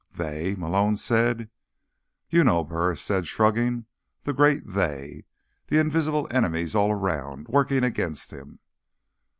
"They?" Malone said. "You know," Burris said, shrugging. "The great 'they.' The invisible enemies all around, working against him."